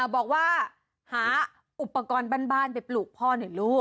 บอกว่าหาอุปกรณ์บ้านไปปลูกพ่อหน่อยลูก